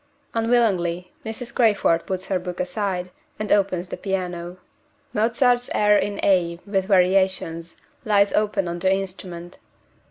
Unwillingly, Mrs. Crayford puts her book aside, and opens the piano Mozart's "Air in A, with Variations," lies open on the instrument.